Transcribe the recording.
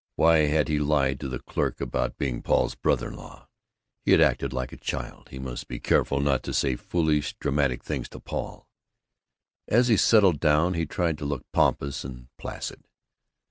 Why had he lied to the clerk about being Paul's brother in law? He had acted like a child. He must be careful not to say foolish dramatic things to Paul. As he settled down he tried to look pompous and placid.